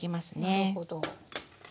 なるほど。